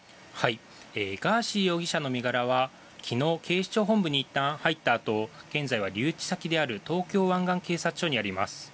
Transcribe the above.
ガーシー容疑者の身柄は昨日、警視庁本部にいったん入ったあと現在は留置先である東京湾岸警察署にあります。